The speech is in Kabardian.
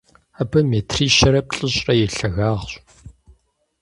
Абы метрищэрэ плӏыщӏрэ и лъагагъщ.